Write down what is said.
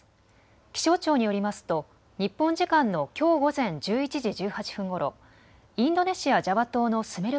気象庁によりますと日本時間のきょう午前１１時１８分ごろ、インドネシア・ジャワ島のスメル